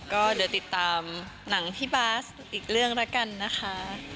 ก็เดี๋ยวติดตามหนังพี่บาสอีกเรื่องแล้วกันนะคะ